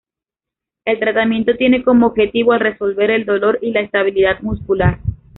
El tratamiento tiene como objetivo el resolver el dolor y la estabilidad muscular.